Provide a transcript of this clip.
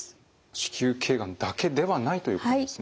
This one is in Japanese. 子宮頸がんだけではないということですね。